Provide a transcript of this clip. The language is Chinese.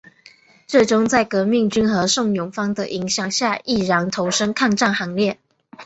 最终在革命军和宋永芳的影响下毅然投身抗战行列。